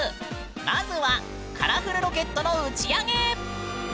まずはカラフルロケットの打ち上げ！